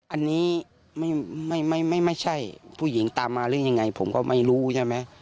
อันนี้ไม่ใช่ผู้หญิงตามมาหรือยังไงผมก็ไม่รู้ใช่ไหม